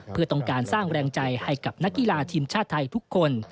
เพื่อต้องการสร้างแรงใจให้กับนักกีฬาทีมชาติไทยทุกคน